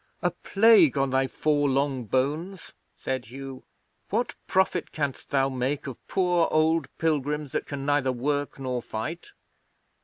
'"A plague on thy four long bones!" said Hugh. "What profit canst thou make of poor old pilgrims that can neither work nor fight?"